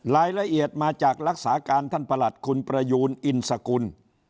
รายละเอียดมาจากรักษาการท่านประหลัดคุณประยูนอินสกุล